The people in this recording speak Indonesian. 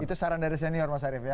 itu saran dari senior mas arief ya